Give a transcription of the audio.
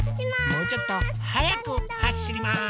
もうちょっとはやくはしります。